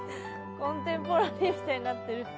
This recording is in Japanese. コンテンポラリーみたいになってる。